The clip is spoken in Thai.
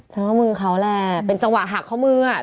ว่ามือเขาแหละเป็นจังหวะหักข้อมืออ่ะ